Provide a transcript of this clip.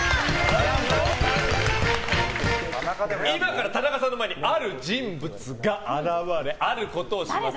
今から田中さんの前にある人物が現れあることをします。